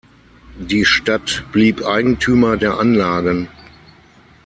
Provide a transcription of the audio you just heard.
Die Stadt blieb Eigentümer der Anlagen.